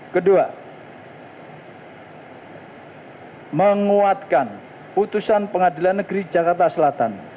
kedua menguatkan putusan pengadilan negeri jakarta selatan